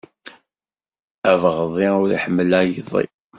Abeɣḍi ur iḥemmel agḍi.